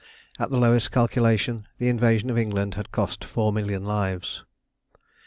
At the lowest calculation the invasion of England had cost four million lives.